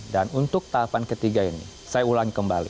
dan untuk tahapan ketiga ini saya ulangi kembali